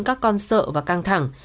các con sợ và căng thẳng